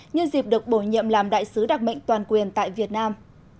nhân dịp được bổ nhiệm làm đại sứ đặc mệnh toàn quyền tại việt nam